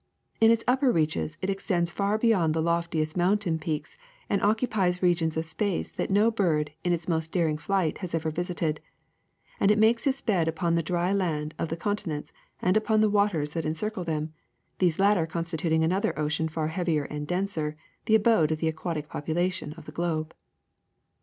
In its upper reaches it extends far beyond the loftiest mountain peaks and occupies regions of space that no bird in its most daring flight has ever visited ; and it makes its bed upon the dry land of the continents and upon the waters that encircle them, these latter constituting another ocean far heavier and denser, the abode of the aquatic population of the globe.